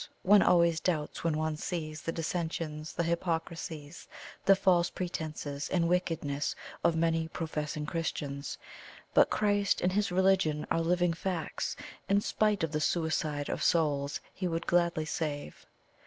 One always doubts when one sees the dissensions, the hypocrisies, the false pretences and wickedness of many professing Christians. But Christ and His religion are living facts, in spite of the suicide of souls He would gladly save.